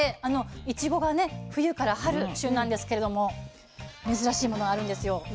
いちごがね冬から春旬なんですけれども珍しいものあるんですよ。